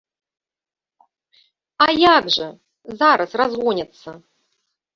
А як жа, зараз разгоняцца!